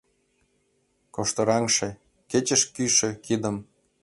Коштыраҥше, кечеш кӱшӧ кидым